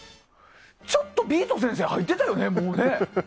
ちょっとビート先生入ってたよね、もうね。